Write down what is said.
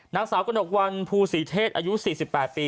นางสาวกระหนกวันภูศรีเทศอายุ๔๘ปี